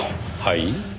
はい？